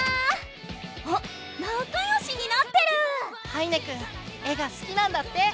羽稲くん絵がすきなんだって！